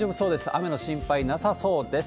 雨の心配なさそうです。